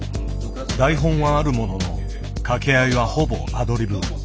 台本はあるものの掛け合いはほぼアドリブ。